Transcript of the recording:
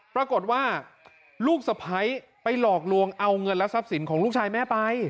ปรากฏว่าลูกสะพ้ายไปหลอกลวงเอาเงินและทรัพย์สินของลูกชายแม่ไป